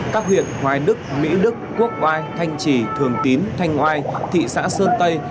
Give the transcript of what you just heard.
các huyện hoài đức mỹ đức quốc oai thanh trì thường tín thanh oai thị xã sơn tây